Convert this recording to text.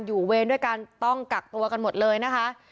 เวรด้วยกันต้องกักตัวกันหมดเลยนะคะ